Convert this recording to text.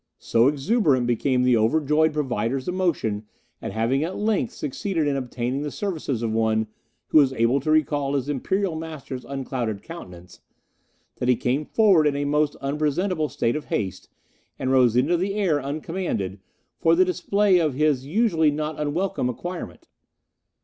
So exuberant became the overjoyed Provider's emotion at having at length succeeded in obtaining the services of one who was able to recall his Imperial master's unclouded countenance, that he came forward in a most unpresentable state of haste, and rose into the air uncommanded, for the display of his usually not unwelcome acquirement.